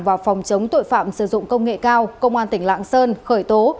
và phòng chống tội phạm sử dụng công nghệ cao công an tỉnh lạng sơn khởi tố